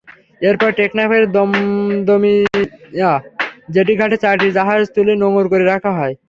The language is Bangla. এরপর টেকনাফের দমদমিয়া জেটি ঘাটে চারটি জাহাজ তুলে নোঙর করে রাখা হয়।